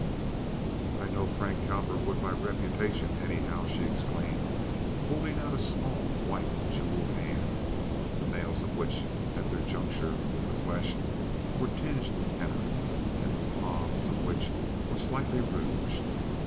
"I know Frank Cowperwood by reputation, anyhow," she exclaimed, holding out a small, white, jeweled hand, the nails of which at their juncture with the flesh were tinged with henna, and the palms of which were slightly rouged.